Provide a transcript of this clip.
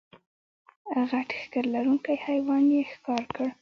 غټ ښکر لرونکی حیوان یې ښکار کړ.